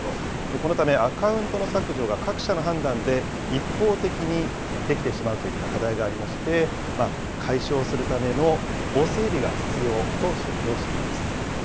このためアカウントの削除が、各社の判断で一方的にできてしまうといった課題がありまして、解消するための法整備が必要と指摘をしています。